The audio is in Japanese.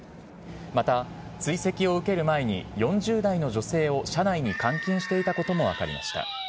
また、追跡を受ける前に、４０代の女性を車内に監禁していたことも分かりました。